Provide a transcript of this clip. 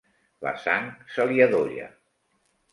La sang se li adolla.